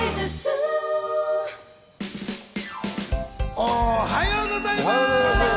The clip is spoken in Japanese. おはようございます！